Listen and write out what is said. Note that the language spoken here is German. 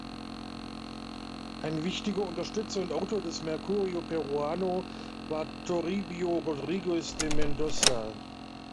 Ein wichtiger Unterstützer und Autor des „Mercurio Peruano“ war Toribio Rodríguez de Mendoza.